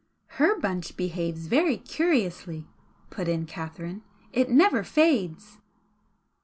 "HER bunch behaves very curiously," put in Catherine "It never fades."